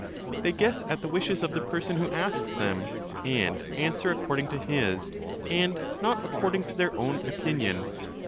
They guess at the wishes of the person who asks them, and answer according to his, and not according to their own, opinion.